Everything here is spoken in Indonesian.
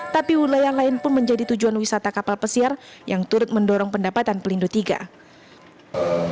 tapi wilayah lain pun menjadi tujuan wisata kapal pesiar yang turut mendorong pendapatan pelindo iii